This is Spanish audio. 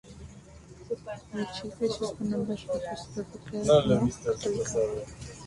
Michele creció con ambas religiones, pero fue criada como católica.